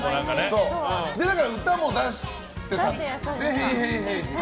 歌も出してたんだよね。